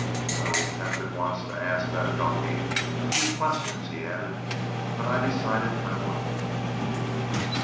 "I was tempted once to ask that donkey a few questions," he added, "but I decided I wouldn't."